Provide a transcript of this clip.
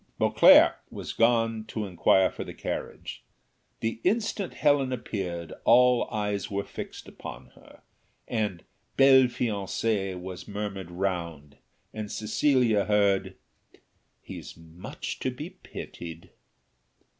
Beauclerc was gone to inquire for the carriage. The instant Helen appeared, all eyes were fixed upon her, and "Belle fiancée" was murmured round, and, Cecilia heard "He's much to be pitied."